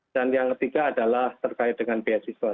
dan yang ketiga adalah terkait dengan beasiswa